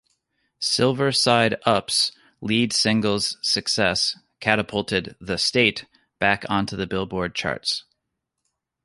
"Silver Side Up"'s lead single's success catapulted "The State" back onto the Billboard charts.